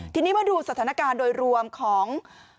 ทีนี้มาดูสถานการณ์โดยรวมของ